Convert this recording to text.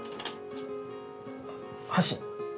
箸。